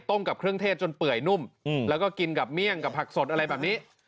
กับเครื่องเทศจนเปื่อยนุ่มแล้วก็กินกับเมี่ยงกับผักสดอะไรแบบนี้